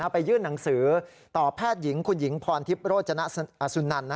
ไปยื่นหนังสือต่อแพทย์หญิงคุณหญิงพรทิพย์โรจนสุนัน